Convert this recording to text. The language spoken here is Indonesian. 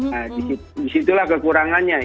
nah di situlah kekurangannya